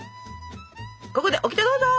ここでオキテどうぞ。